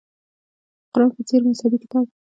د قران په څېر مذهبي کتاب.